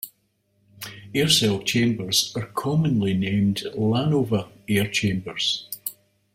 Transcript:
Air cell chambers are commonly named Lanova air chambers.